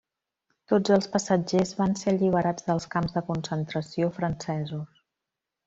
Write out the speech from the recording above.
Tots els passatgers van ser alliberats dels camps de concentració francesos.